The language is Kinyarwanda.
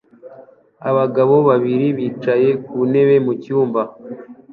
Abagabo babiri bicaye ku ntebe mu cyumba